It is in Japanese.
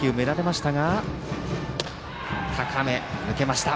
高め、抜けました。